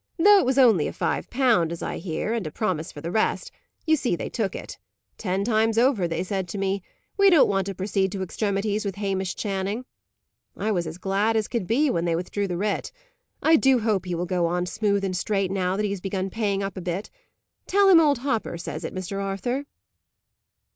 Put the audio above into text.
"Though it was only a five pound, as I hear, and a promise for the rest, you see they took it. Ten times over, they said to me, 'We don't want to proceed to extremities with Hamish Channing.' I was as glad as could be when they withdrew the writ. I do hope he will go on smooth and straight now that he has begun paying up a bit. Tell him old Hopper says it, Mr. Arthur."